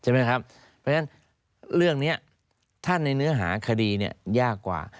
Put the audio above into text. เพราะฉะนั้นเรื่องนี้ถ้าในเนื้อหาคดียากกว่า